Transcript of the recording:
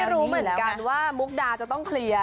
รู้เหมือนกันว่ามุกดาจะต้องเคลียร์